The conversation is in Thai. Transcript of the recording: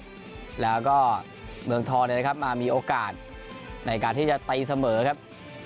แล้วก็เมืองทองนะครับมามีโอกาสในการที่จะตีเสมอครับ